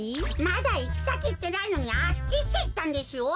まだいきさきいってないのに「あっち」っていったんですよ。